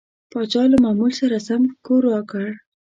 پاچا له معمول سره سم کور راکړ.